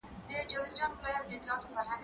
زه به سبا مېوې وچوم؟!